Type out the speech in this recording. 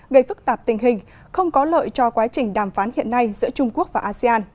gây phức tạp tình hình không có lợi cho quá trình đàm phán hiện nay giữa trung quốc và asean